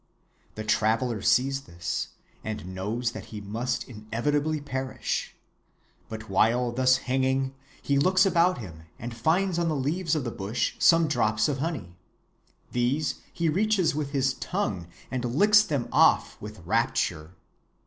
"The traveler sees this and knows that he must inevitably perish; but while thus hanging he looks about him and finds on the leaves of the bush some drops of honey. These he reaches with his tongue and licks them off with rapture.